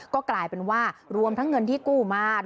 ก็กลายเป็นว่ารวมทั้งเงินที่กู้มา